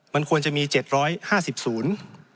มันควรจะมี๗๕๐ศูนย์